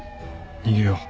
逃げよう。